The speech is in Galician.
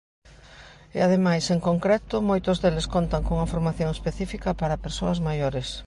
E ademais, en concreto, moitos deles contan cunha formación específica para persoas maiores.